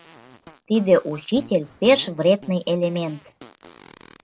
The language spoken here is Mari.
Тиде учитель — пеш вредный элемент!